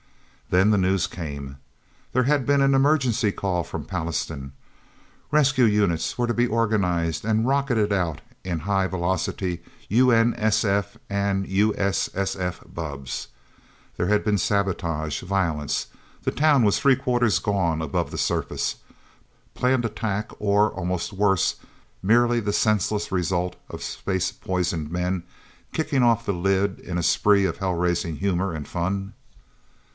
Then the news came. There had been an emergency call from Pallastown. Rescue units were to be organized, and rocketed out in high velocity U.N.S.F. and U.S.S.F bubbs. There had been sabotage, violence. The Town was three quarters gone, above the surface. Planned attack or almost worse merely the senseless result of space poisoned men kicking off the lid in a spree of hell raising humor and fun?